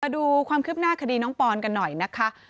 ดูความคืบหน้าคดีน้องปอนกันหน่อยนะคะ